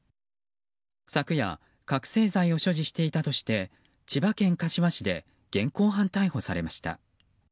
昨夜、覚醒剤を所持していたとして千葉県柏市で現行犯逮捕されました。